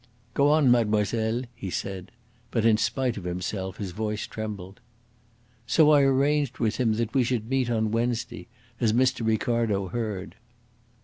"Go on, mademoiselle," he said. But in spite of himself his voice trembled. "So I arranged with him that we should meet on Wednesday, as Mr. Ricardo heard."